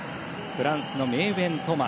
フランスのメーウェン・トマ。